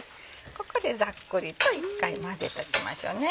ここでざっくりと一回混ぜときましょうね。